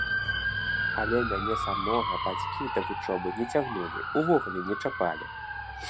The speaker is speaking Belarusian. Але мяне самога бацькі да вучобы не цягнулі, увогуле не чапалі.